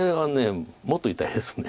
もっと痛いですか。